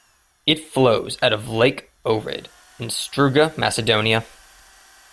It flows out of Lake Ohrid in Struga, Macedonia.